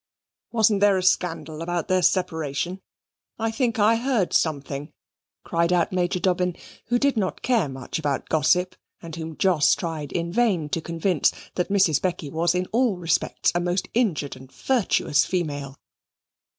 Wasn't there a scandal about their separation? I think I heard something," cried out Major Dobbin, who did not care much about gossip, and whom Jos tried in vain to convince that Mrs. Becky was in all respects a most injured and virtuous female.